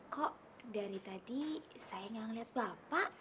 kok dari tadi saya gak ngelihat bapak